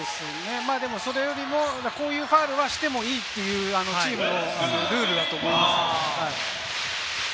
それよりも、こういうファウルはしてもいいというチームのルールだと思います。